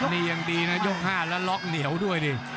นี่ยังดีนะยก๕แล้วล็อกเหนียวด้วยดิ